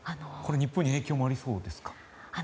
日本に影響もありそうですか。